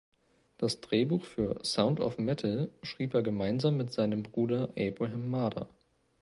Das Drehbuch für "Sound of Metal" schrieb er gemeinsam mit seinem Bruder Abraham Marder.